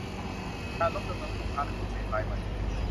การลดจำนวนผู้ค้าและผู้เสพรายใหม่